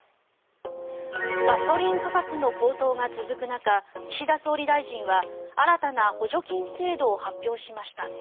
ガソリン価格の高騰が続く中岸田総理大臣は新たな補助金制度を発表しました。